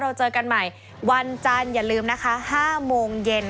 เจอกันใหม่วันจันทร์อย่าลืมนะคะ๕โมงเย็น